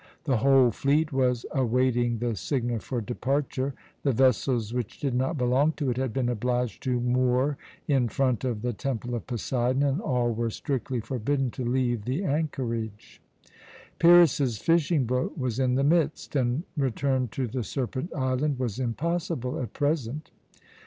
The whole fleet was awaiting the signal for departure. The vessels which did not belong to it had been obliged to moor in front of the Temple of Poseidon, and all were strictly forbidden to leave the anchorage. Pyrrhus's fishing boat was in the midst, and return to the Serpent Island was impossible at present.